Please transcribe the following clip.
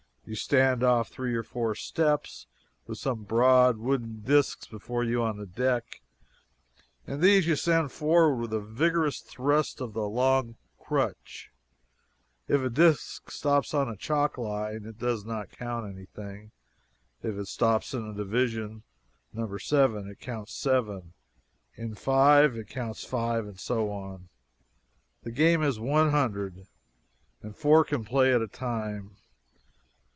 You stand off three or four steps, with some broad wooden disks before you on the deck, and these you send forward with a vigorous thrust of a long crutch. If a disk stops on a chalk line, it does not count anything. If it stops in division No. 7, it counts 7; in 5, it counts 5, and so on. The game is 100, and four can play at a time.